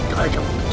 matlah tanganku kecoh